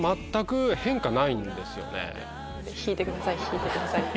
引いてください引いてください。